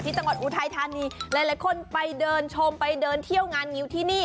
จังหวัดอุทัยธานีหลายคนไปเดินชมไปเดินเที่ยวงานงิ้วที่นี่